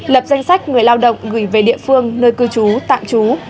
lập danh sách người lao động gửi về địa phương nơi cư trú tạm trú